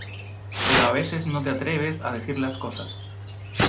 pero a veces no te atreves a decir las cosas